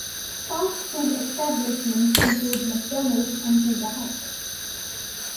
Fast food establishments include McDonald's and Pizza Hut.